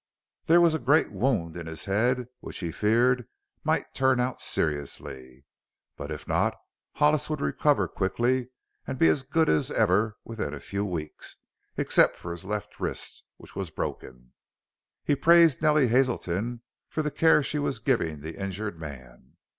There was a great wound in his head which he feared might turn out seriously, but if not, Hollis would recover quickly and be as good as ever within a few weeks except for his left wrist which was broken. He praised Nellie Hazelton for the care she was giving the injured man.